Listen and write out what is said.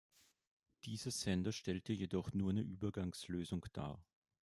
Dieser Sender stellte jedoch nur eine Übergangslösung dar.